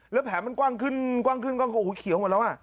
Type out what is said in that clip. แล้วแผลมันกว้างขึ้นกว่างขึ้นโอ้โฮเขียวมาแล้ว